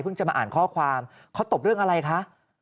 จะมาอ่านข้อความเขาตบเรื่องอะไรคะ